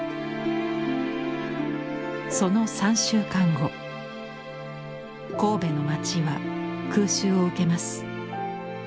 その３週間後神戸の街は空襲を受けます。